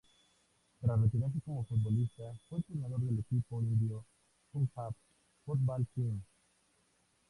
Tras retirarse como futbolista fue entrenador del equipo indio Punjab football team.